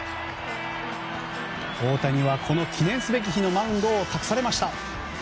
大谷はこの記念すべき日のマウンドを託されました。